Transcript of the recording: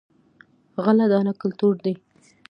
غله دانه کلتور دی.